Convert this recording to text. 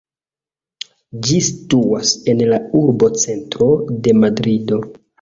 Ĝi situas en la urbocentro de Madrido.